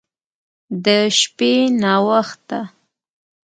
د شپې ناوخته